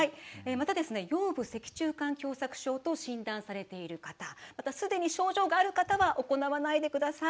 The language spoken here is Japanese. また「腰部脊柱管狭さく症」と診断されている方またすでに症状がある方は行わないでください。